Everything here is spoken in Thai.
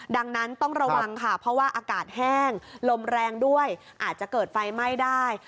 ดังนั้นต้องระวังค่ะเพราะว่าอากาศแห้งลมแรงด้วยอาจจะเกิดไฟไหม้ได้